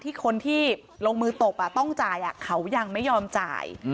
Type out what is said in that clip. คนที่ลงมือตบต้องจ่ายเขายังไม่ยอมจ่าย